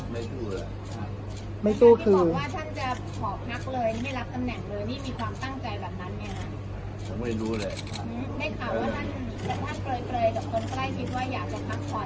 ไม่ตู้แล้วไม่ตู้คือท่านจะขอพักเลยไม่รับตำแหน่งเลย